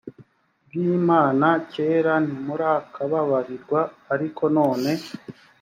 bw imana kera ntimurakababarirwa ariko none